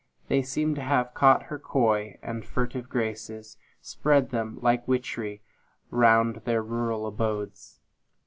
They seem to have caught her coy and furtive graces, and spread them, like witchery, about their rural abodes.